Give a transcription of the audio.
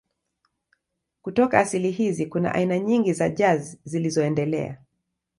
Kutoka asili hizi kuna aina nyingi za jazz zilizoendelea.